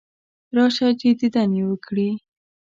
راشه چې دیدن یې وکړې.